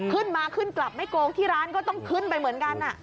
ขึ้นมาขึ้นกลับไม่โกงที่ร้านก็ต้องขึ้นไปเหมือนกัน